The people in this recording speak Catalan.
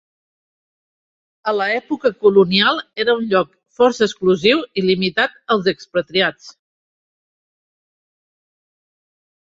A l'època colonial era un lloc força exclusiu i limitat als expatriats.